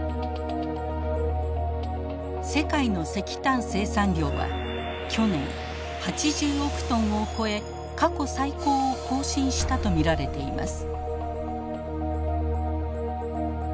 世界の石炭生産量は去年８０億トンを超え過去最高を更新したと見られています。